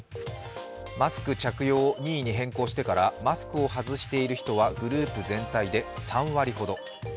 マスク着用を任意に変更してからマスクを外している人はグループ全体で３割ほど。